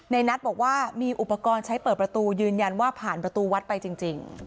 นัทบอกว่ามีอุปกรณ์ใช้เปิดประตูยืนยันว่าผ่านประตูวัดไปจริง